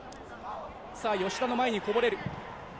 さぁ吉田の前にこぼれる。